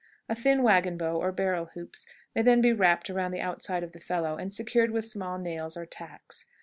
A thin wagon bow, or barrel hoops, may then be wrapped around the outside of the felloe, and secured with small nails or tacks.